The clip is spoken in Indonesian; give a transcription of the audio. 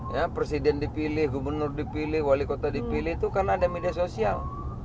ya presiden dipilih gubernur dipilih wali kota dipilih itu kan ada media sosial